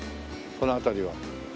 この辺りは。